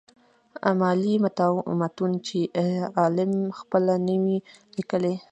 امالي متون چي عالم خپله نه وي ليکلي.